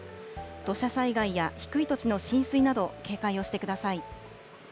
土砂災害や低い土地の浸水など、警戒をしてください。